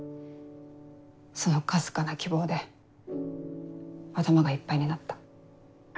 そのかすかな希望で頭がいっぱいになった。